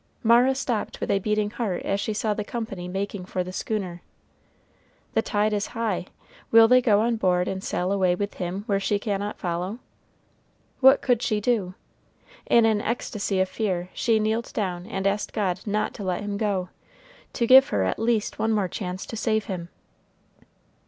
Mara stopped with a beating heart as she saw the company making for the schooner. The tide is high; will they go on board and sail away with him where she cannot follow? What could she do? In an ecstasy of fear she kneeled down and asked God not to let him go, to give her at least one more chance to save him.